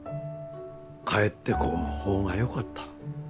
帰ってこん方がよかった。